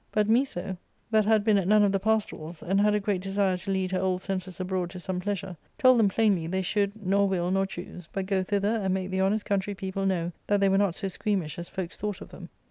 But Miso, that had been at none of the pastorals, and had a great desire to lead her old senses abroad to some pleasure, told them plainly they should nor will nor choose, but go thither and make the honest country people know that they were not so«^ squeamish as folks thought of them.